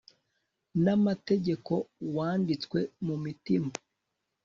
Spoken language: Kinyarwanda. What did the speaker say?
n'amategeko wanditswe mu mitima